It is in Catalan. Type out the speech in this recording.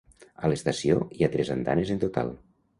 A l'estació hi ha tres andanes en total.